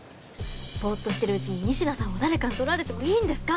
ボっとしてるうちに仁科さんを誰かに取られてもいいんですか？